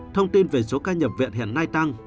thông tin về số ca nhập viện hiện nay tăng